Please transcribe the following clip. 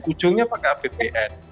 ujungnya pakai apbn